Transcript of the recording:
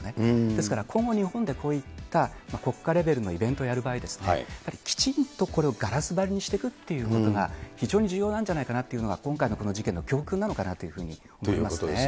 ですから今後、日本でこういった国家レベルのイベントをやる場合ですね、やはりきちんとこれをガラス張りにしていくということが、非常に重要なんじゃないかなっていうのが、今回のこの事件の教訓なのかなとということですね。